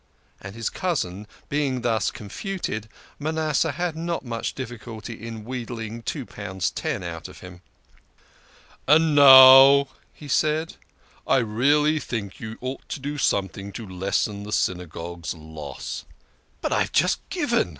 And his cousin being thus confuted, Manasseh had not much further difficulty in wheedling two pounds ten out of him. " And now," said he, " I really think you ought to do something to lessen the Synagogue's loss." " But I have just given